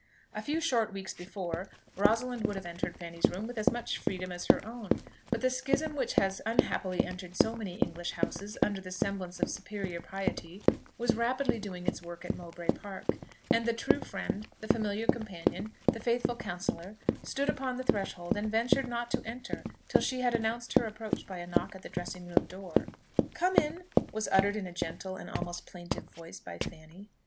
A few short weeks before, Rosalind would have entered Fanny's room with as much freedom as her own; but the schism which has unhappily entered so many English houses under the semblance of superior piety was rapidly doing its work at Mowbray Park; and the true friend, the familiar companion, the faithful counsellor, stood upon the threshold, and ventured not to enter till she had announced her approach by a knock at the dressing room door. "Come in," was uttered in a gentle and almost plaintive voice by Fanny.